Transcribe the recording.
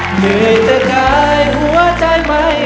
เหนื่อยจะกลายหัวใจไหม